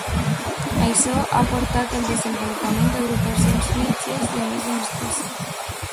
Això ha portat al desenvolupament d'agrupacions mixtes de més d'una espècie.